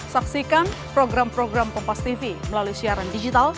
saksikan program program kompastv melalui siaran digital